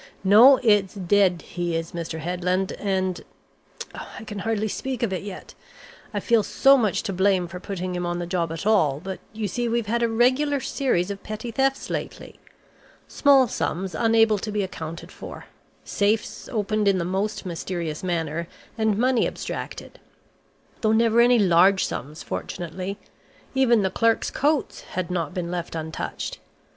No it's dead he is, Mr. Headland, and I can hardly speak of it yet! I feel so much to blame for putting him on the job at all, but you see we've had a regular series of petty thefts lately; small sums unable to be accounted for, safes opened in the most mysterious manner, and money abstracted though never any large sums fortunately even the clerks' coats had not been left untouched.